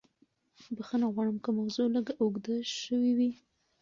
بښنه غواړم که موضوع لږه اوږده شوې وي.